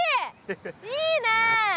いいねえ！